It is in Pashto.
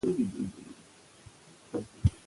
ازادي راډیو د اقتصاد ته پام اړولی.